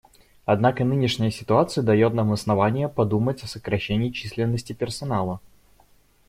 Однако нынешняя ситуация дает нам основания подумать о сокращении численности персонала.